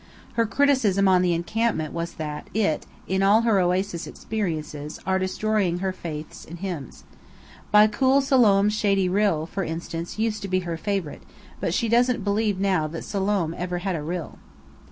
Her criticism on the encampment was that it, and all her oasis experiences, are destroying her faith in hymns. "By cool Siloam's Shady Rill," for instance, used to be her favourite, but she doesn't believe now that Siloam ever had a rill.